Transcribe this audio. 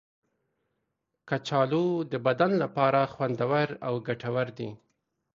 کچالو د بدن لپاره خوندور او ګټور دی.